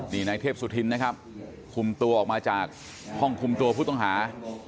นี่นายเทพสุธินนะครับคุมตัวออกมาจากห้องคุมตัวผู้ต้องหา